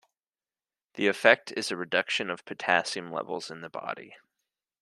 The effect is a reduction of potassium levels in the body.